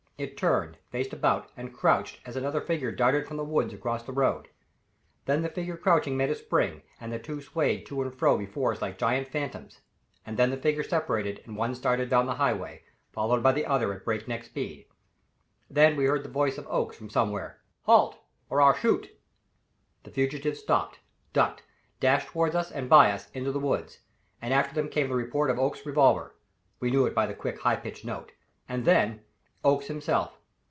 It turned, faced about and crouched as another figure darted from the woods across the road. Then the figure crouching made a spring, and the two swayed to and fro before us like great phantoms, and then the figures separated, and one started down the Highway followed by the other at breakneck speed. Then we heard the voice of Oakes from somewhere: "Halt! or I'll shoot." The fugitives stopped, ducked, dashed toward us and by us, into the woods, and after them came the report of Oakes's revolver we knew it by the quick, high pitched note and then Oakes himself.